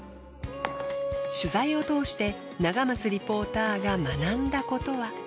取材をとおして永松リポーターが学んだことは。